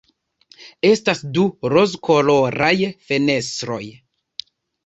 Estas du rozkoloraj fenestroj.